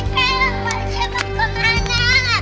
komporisi mau kemana